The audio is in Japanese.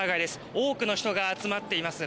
多くの人が集まっています。